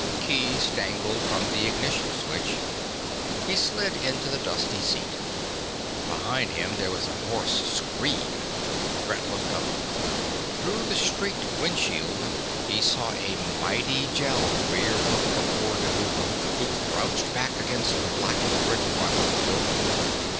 Keys dangled from the ignition switch. He slid into the dusty seat. Behind him there was a hoarse scream. Brett looked up. Through the streaked windshield he saw a mighty Gel rear up before Dhuva, who crouched back against the blackened brick front of the building.